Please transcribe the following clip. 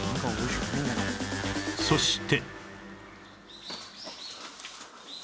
そして